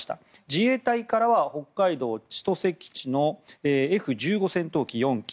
自衛隊からは北海道千歳基地のＦ１５戦闘機４機。